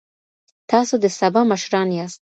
تاسو د سبا مشران یاست.